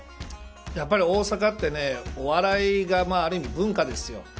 やっぱり大阪ってお笑いがある意味、文化ですよ。